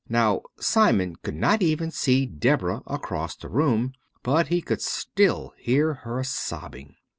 Now, Simon could not even see Deborah across the room, but he could still hear her sobbing.